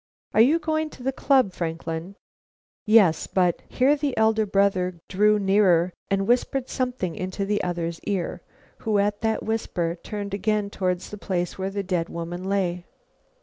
Are you going to the club, Franklin?" "Yes, but " Here the elder brother drew nearer and whispered something into the other's ear, who at that whisper turned again towards the place where the dead woman lay.